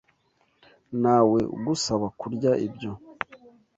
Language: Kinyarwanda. Ntawe ugusaba kurya ibyo.